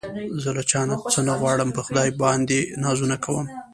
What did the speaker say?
زه له چا څه نه غواړم په خدای باندې نازونه کوم